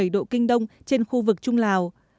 một trăm linh bốn bảy độ kinh đông trên khu vực trung lào